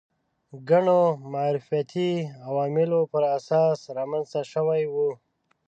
ګڼو معرفتي عواملو پر اساس رامنځته شوي وو